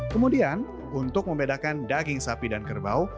kemudian untuk membedakan daging sapi dan kerbau